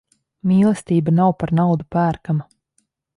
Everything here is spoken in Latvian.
Mīlestība nav par naudu pērkama.